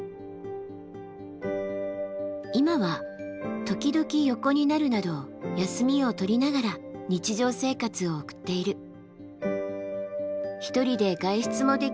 今は時々横になるなど休みを取りながら日常生活を送っている。